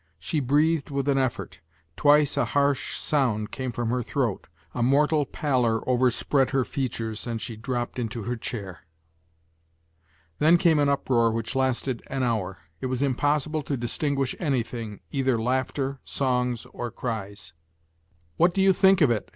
She breathed with an effort; twice a harsh sound came from her throat; a mortal pallor overspread her features and she dropped into her chair. Then came an uproar which lasted an hour. It was impossible to distinguish anything, either laughter, songs or cries. "What do you think of it?"